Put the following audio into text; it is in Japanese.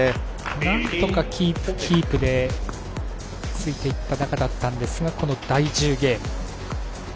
なんとかキープ、キープでついていきたかったんですがこの第１０ゲーム。